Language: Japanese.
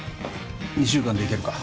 ２週間でいけるか？